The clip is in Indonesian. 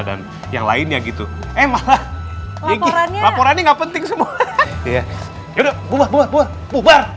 dan yang lainnya gitu eh malah laporannya nggak penting semua ya udah buah buah buah buah buah